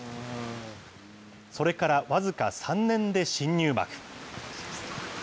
それから僅か３年で新入幕。